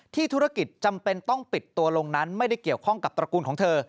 ธุรกิจจำเป็นต้องปิดตัวลงนั้นไม่ได้เกี่ยวข้องกับตระกูลของเธอ